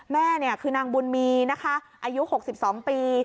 แม่คือนางบุญมีนะคะอายุ๖๒ปี